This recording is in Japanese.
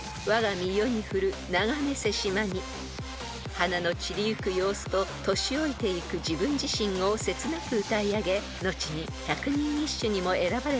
［花の散りゆく様子と年老いていく自分自身を切なく歌い上げ後に百人一首にも選ばれた歌］